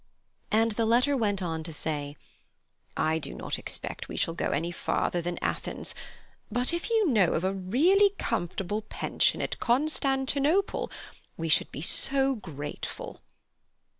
And the letter went on to say: "I do not expect we shall go any further than Athens, but if you knew of a really comfortable pension at Constantinople, we should be so grateful."